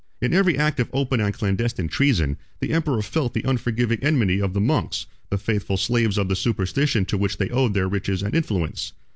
In every act of open and clandestine treason, the emperor felt the unforgiving enmity of the monks, the faithful slaves of the superstition to which they owed their riches and influence.